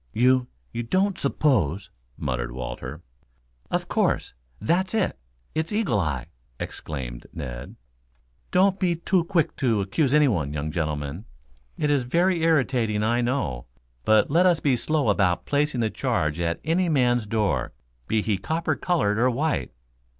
"You you don't suppose " muttered Walter. "Of course! That's it! It's Eagle eye!" exclaimed Ned. "Don't be too quick to accuse anyone, young gentlemen. It is very irritating, I know. But let us be slow about placing the charge at any man's door, be he copper colored or white."